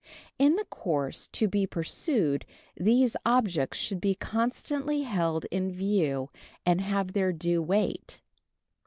In the course to be pursued these objects should be constantly held in view and have their due weight.